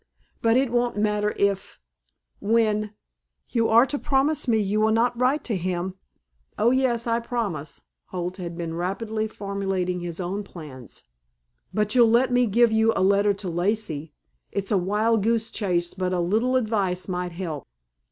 But it won't matter if when You are to promise me you will not write to him!" "Oh, yes, I promise." Holt had been rapidly formulating his own plans. "But you'll let me give you a letter to Lacey? It's a wild goose chase but a little advice might help."